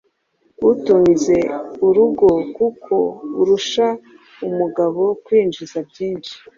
utunze urugokuko arusha umugabo kwinjiza byinshi.